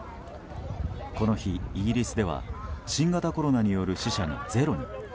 この日、イギリスでは新型コロナによる死者がゼロに。